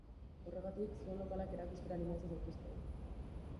Horregatik, zuen lokalak erakustera animatzen zaituztegu.